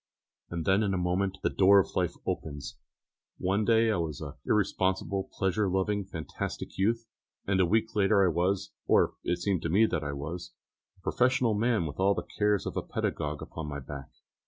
And then in a moment the door of life opens. One day I was an irresponsible, pleasure loving, fantastic youth, and a week later I was, or it seemed to me that I was, a professional man with all the cares of a pedagogue upon my back.